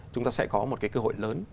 chúng ta sẽ có một cơ hội lớn